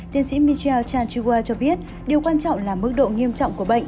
tiến sĩ michel chanchiwa cho biết điều quan trọng là mức độ nghiêm trọng của bệnh